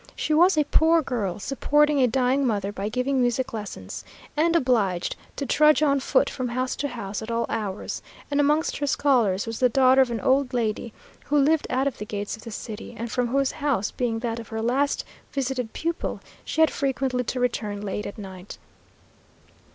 She was a poor girl, supporting a dying mother by giving music lessons, and obliged to trudge on foot from house to house at all hours; and amongst her scholars was the daughter of an old lady who lived out of the gates of the city, and from whose house, being that of her last visited pupil, she had frequently to return late at night.